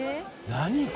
何？